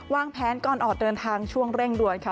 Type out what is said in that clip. วางแผนก่อนออกเดินทางช่วงเร่งด่วนค่ะ